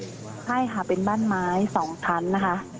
ใช่ค่ะเป็นบ้านไม้๒ชั้นนะคะ